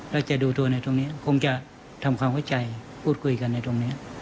แล้วจะดูตัวในตรงนี้คงจะทำความเข้าใจพูดคุยกันในตรงนี้